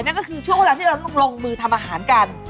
นั่นก็คือช่วงเวลาที่เราต้องลงมือทำอาหารกัน